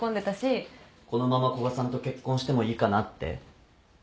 このまま古賀さんと結婚してもいいかなって？